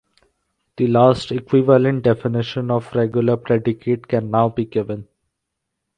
The last equivalent definition of regular predicate can now be given.